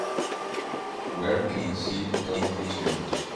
Where can i see Love Me Tonight